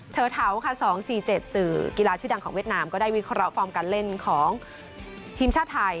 เถาค่ะ๒๔๗สื่อกีฬาชื่อดังของเวียดนามก็ได้วิเคราะห์ฟอร์มการเล่นของทีมชาติไทย